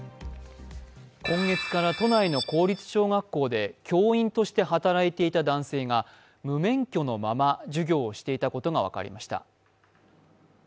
今月から都内の公立小学校で、教員として働いていた男性が無免許のまま授業をしていたことが分かりました。